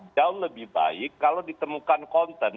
jauh lebih baik kalau ditemukan konten